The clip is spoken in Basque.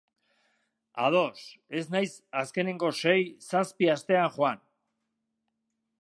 Ados, ez naiz azkenengo sei, zazpi astean joan.